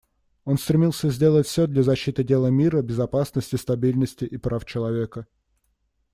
Он стремился сделать все для защиты дела мира, безопасности, стабильности и прав человека.